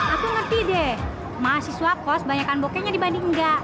aku ngerti deh mahasiswa kos banyakkan bokehnya dibanding enggak